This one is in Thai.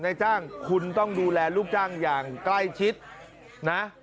นายจ้างคุณต้องดูแลลูกจ้างอย่างใกล้ชิดนะ